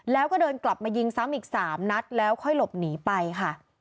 แล้วก็เดินกลับมายิงซ้ำอีก๓นัดแล้วค่อยหลบหนีไปค่ะ